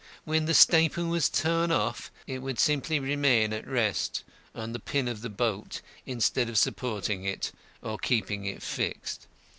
When the staple was torn off, it would simply remain at rest on the pin of the bolt instead of supporting it or keeping it fixed.